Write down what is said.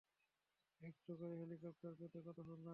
একটা নতুন হেলিকপ্টার পেতে কতক্ষণ লাগবে?